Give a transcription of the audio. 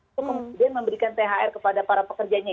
itu kemudian memberikan thr kepada para pekerjanya